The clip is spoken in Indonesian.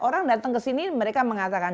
orang datang ke sini mereka mengatakan